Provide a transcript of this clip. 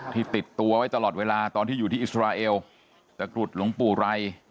ติดตัวไว้ตลอดเวลาตอนที่อยู่ที่อิสราเอลตะกรุดหลวงปู่ไร